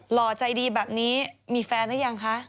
ห่อใจดีแบบนี้มีแฟนหรือยังคะ